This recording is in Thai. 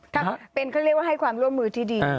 ถ้าเป็นเขาเรียกว่าให้ความร่วมมือที่ดี